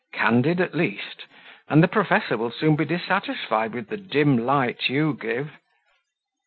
"Candid, at least; and the Professor will soon be dissatisfied with the dim light you give?"